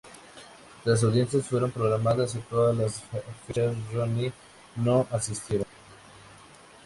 Tres audiencias fueron programadas, y todas las fechas, Ronnie no asistieron.